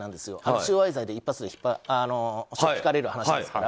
収賄罪で、一発でしょっ引かれる話ですから。